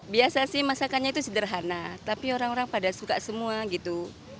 biasa sih masakannya itu sederhana tapi orang orang pada suka semua gitu